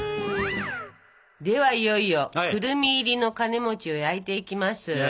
ではいよいよくるみ入りのカネを焼いていきます。